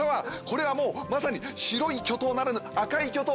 これはもうまさに白い巨塔ならぬ赤い巨塔！